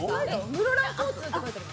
室蘭交通とかって書いてある。